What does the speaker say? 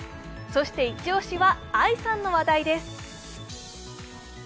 そしてイチ押しはＡＩさんの話題です。